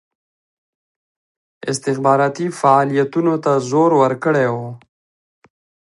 استخباراتي فعالیتونو ته زور ورکړی وو.